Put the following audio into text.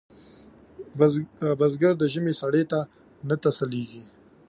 بزګر د ژمي سړې ته نه تسلېږي